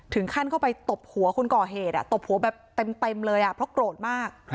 ถึงขั้นเข้าไปตบหัวคนก่อเหตุตบหัวแบบเต็มเลยเพราะโกรธมาก